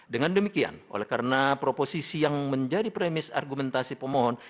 dengan demikian oleh karena proposisi yang menjadi premis argumentasi pemohon